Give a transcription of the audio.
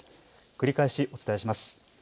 繰り返しお伝えします。